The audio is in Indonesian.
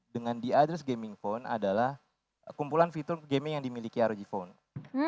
dengan the others gaming phone adalah kumpulan fitur gaming yang dimiliki rog phone